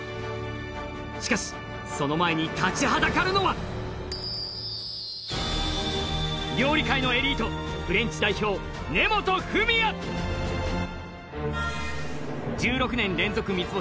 しかしその前に立ちはだかるのは料理界のエリート１６年連続三つ星